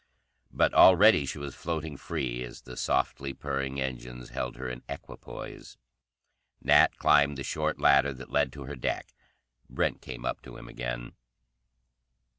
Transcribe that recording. But already she was floating free as the softly purring engines held her in equipoise. Nat climbed the short ladder that led to her deck. Brent came up to him again.